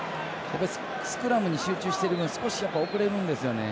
スクラムに集中してて少し遅れるんですよね。